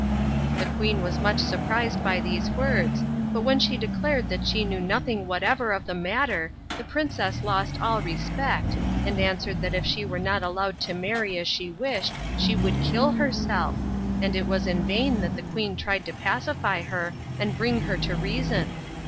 The queen was much surprised by these words, but when she declared that she knew nothing whatever of the matter the princess lost all respect, and answered that if she were not allowed to marry as she wished she should kill herself, and it was in vain that the queen tried to pacify her and bring her to reason.